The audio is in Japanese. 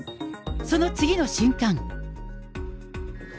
その次の瞬間。